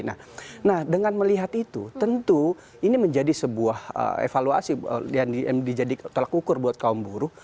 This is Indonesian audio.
nah dengan melihat itu tentu ini menjadi sebuah evaluasi yang dijadikan tolak ukur buat kaum buruh